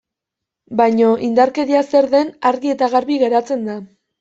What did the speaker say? Baino indarkeria zer den argi eta garbi geratzen da.